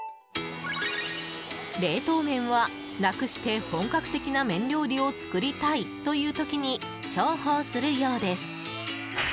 冷凍麺は、楽して本格的な麺料理を作りたいという時に重宝するようです。